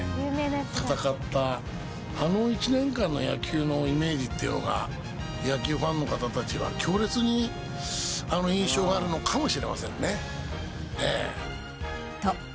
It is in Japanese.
戦ったあの１年間の野球のイメージっていうのが野球ファンの方たちは強烈にあの印象があるのかもしれませんね。